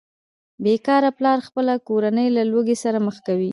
بې کاره پلار خپله کورنۍ له لوږې سره مخ کوي